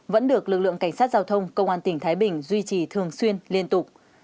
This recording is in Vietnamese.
vẫn được lực lượng cảnh sát giao thông công an tỉnh thái bình duy trì thường xuyên liên tục